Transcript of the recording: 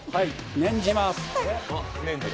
念じます。